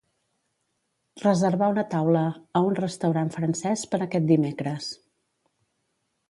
Reservar una taula a un restaurant francès per aquest dimecres.